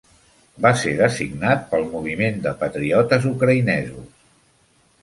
Va ser designat pel Moviment de Patriotes Ucraïnesos.